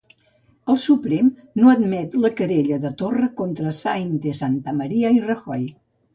El Suprem no admet la querella de Torra contra Sáenz de Santamaría i Rajoy.